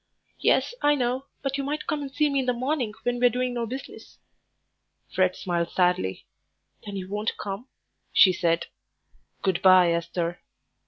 "Yes, I know; but you might come and see me in the morning when we're doing no business." Fred smiled sadly. "Then you won't come?" she said. "Good bye, Esther."